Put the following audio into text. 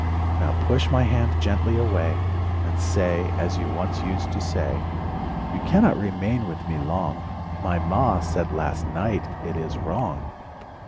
. Now push my hand gently away, And say, as you once used to say: "You cannot remain with me long— My 'Ma' said last night it is wrong